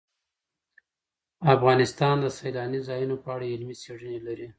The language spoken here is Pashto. افغانستان د سیلانی ځایونه په اړه علمي څېړنې لري.